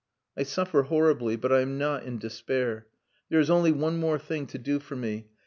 I suffer horribly, but I am not in despair. There is only one more thing to do for me.